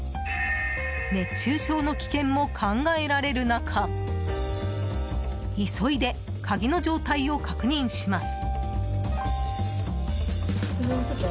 熱中症の危険も考えられる中急いで、鍵の状態を確認します。